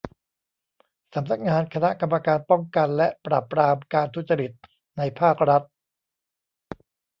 สำนักงานคณะกรรมการป้องกันและปราบปรามการทุจริตในภาครัฐ